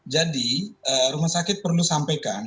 jadi rumah sakit perlu sampaikan